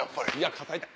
肩痛い。